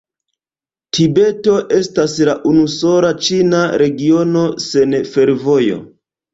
Tibeto estas la unusola ĉina regiono sen fervojo.